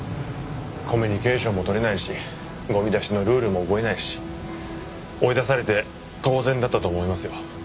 コミュニケーションもとれないしゴミ出しのルールも覚えないし追い出されて当然だったと思いますよ。